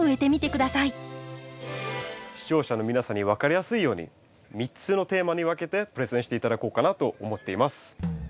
視聴者の皆さんに分かりやすいように３つのテーマに分けてプレゼンして頂こうかなと思っています。